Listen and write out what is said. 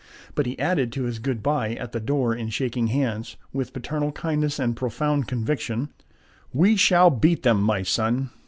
But he added to his good by at the door in shaking hands, with paternal kindness and profound conviction: "We shall beat them, my son!